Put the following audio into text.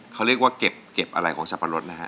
เขาเรียกว่าเก็บอะไรของสับปะรดนะฮะ